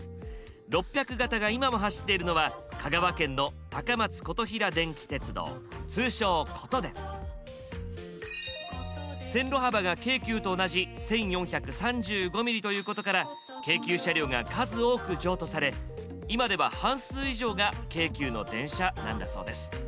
６００形が今も走っているのは線路幅が京急と同じ１，４３５ミリということから京急車両が数多く譲渡され今では半数以上が京急の電車なんだそうです。